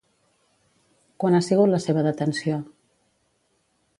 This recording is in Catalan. Quan ha sigut la seva detenció?